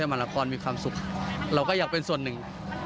มันพอได้ไหมบรรยากาศนั้นเอง